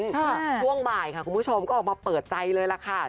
ช่วงบ่ายค่ะคุณผู้ชมก็ออกมาเปิดใจเลยล่ะค่ะ